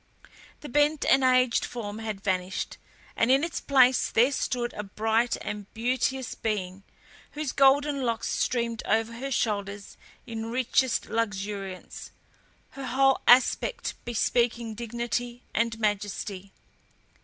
The bent and aged form had vanished, and in its place there stood a bright and beauteous being, whose golden locks streamed over her shoulders in richest luxuriance, her whole aspect bespeaking dignity and majesty.